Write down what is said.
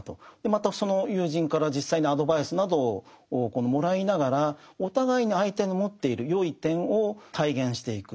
またその友人から実際にアドバイスなどをもらいながらお互いに相手の持っている善い点を体現していく。